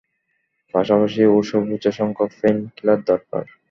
পাশাপাশি, ওর সর্বোচ্চ সংখ্যাক পেইন কিলার দরকার।